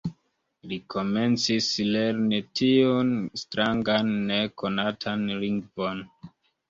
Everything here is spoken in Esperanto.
Li komencis lerni tiun strangan nekonatan lingvon.